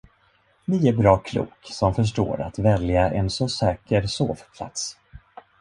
Ni är bra klok, som förstår att välja en så säker sovplats.